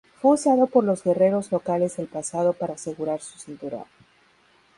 Fue usado por los guerreros locales del pasado para asegurar su cinturón.